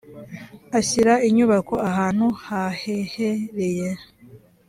ashyira inyubako ahantu hahehereye.